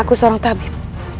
aku seorang tabib